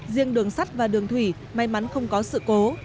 riêng đường sắt và đường thủy may mắn không có sự cố